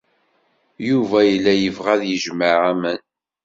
Yuba yella yebɣa ad yejmeɛ aman.